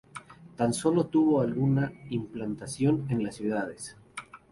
Tan solo tuvo alguna implantación en las ciudades.